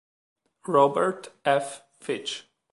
Robert F. Fitch.